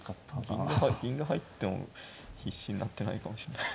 銀が入っても必至になってないかもしんない。